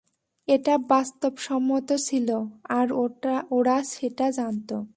এটা বাস্তবসম্মত ছিল, আর ওরা সেটা জানত।